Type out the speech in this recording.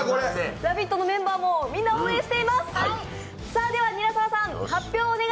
「ラヴィット！」のメンバーも、みんな応援しています。